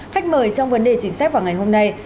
khách mời trong vấn đề chính sách vào ngày hôm nay